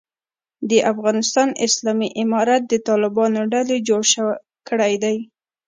د افغانستان اسلامي امارت د طالبانو ډلې جوړ کړی دی.